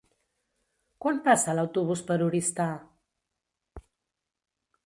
Quan passa l'autobús per Oristà?